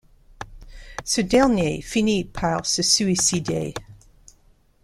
Ce dernier finit par se suicider.